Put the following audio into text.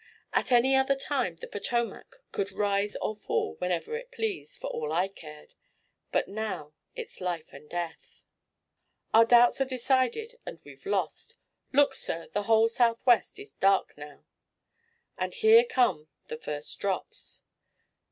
At any other time the Potomac could rise or fall, whenever it pleased, for all I cared, but now it's life and death." "Our doubts are decided and we've lost. Look, sir the whole southwest is dark now!" "And here come the first drops!"